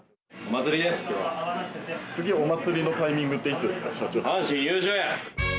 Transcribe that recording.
次、お祭りのタイミングっていつですか？